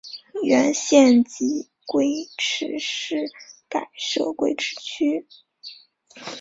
原县级贵池市改设贵池区。